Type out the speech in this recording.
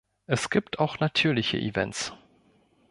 Es gibt auch natürliche Events.